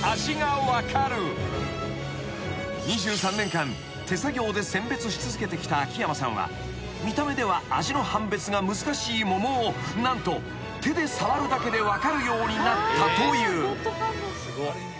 ［２３年間手作業で選別し続けてきた秋山さんは見た目では味の判別が難しい桃を何と手で触るだけで分かるようになったという］